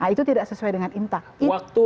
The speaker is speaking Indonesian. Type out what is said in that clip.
itu tidak sesuai dengan intak itu